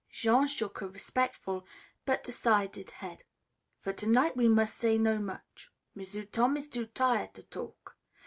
Jean shook a respectful but decided head. "For to night we mus' say no much. M'sieu' Tom is too tire' to talk.